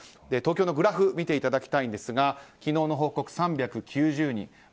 東京のグラフを見ていただきたいんですが昨日の報告、３９０人。